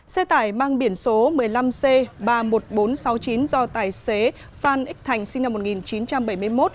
xe tải mang biển số một mươi năm c ba mươi một nghìn bốn trăm sáu mươi chín do tài xế phan ích thành sinh năm một nghìn chín trăm bảy mươi một